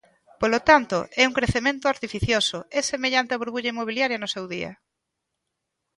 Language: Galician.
Polo tanto, é un crecemento artificioso, é semellante á burbulla inmobiliaria no seu día.